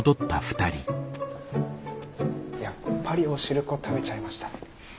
やっぱりお汁粉食べちゃいました。